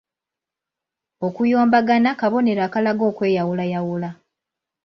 Okuyombagana kabonero akalaga okweyawulayawula.